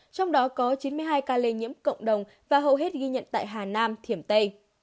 trong đó có chín mươi hai ca lây nhiễm cộng đồng và hầu hết ghi nhận tại hà nam thiểm tây